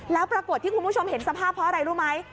แล้วปรากฏที่คุณผู้ชมเห็นสภาพเพราะอะไรรู้ไหม